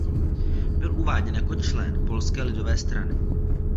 Byl uváděn jako člen Polské lidové strany.